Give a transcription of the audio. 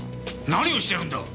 何をしてるんだ！？